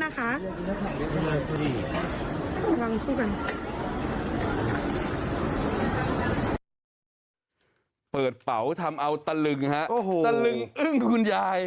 โอ้ครับโหคุณยาย